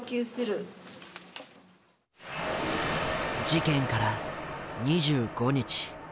事件から２５日。